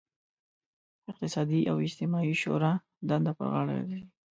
اقتصادي او اجتماعي شورا دنده پر غاړه لري.